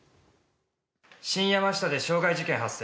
新山下で傷害事件発生。